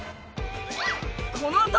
このあと。